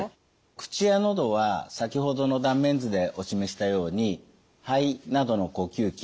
口や喉は先ほどの断面図でお示ししたように肺などの呼吸器ですね